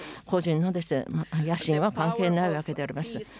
個人の野心は関係ないわけであります。